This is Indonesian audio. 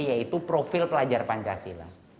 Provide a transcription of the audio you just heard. yaitu profil pelajar pancasila